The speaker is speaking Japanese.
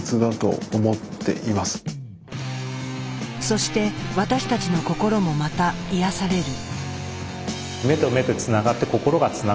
そして私たちの心もまた癒やされる。